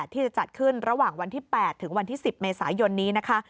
ที่จะจัดขึ้นระหว่างวันที่๘ถึงวันที่๑๐เมษายนนี้นะคะ